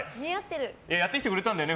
やってきてくれたんだよね